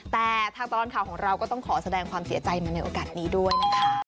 แต่ทางตลอดข่าวของเราก็ต้องขอแสดงความเสียใจมาในโอกาสนี้ด้วยนะคะ